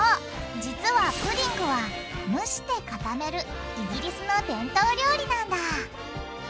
実はプディングは蒸して固めるイギリスの伝統料理なんだ！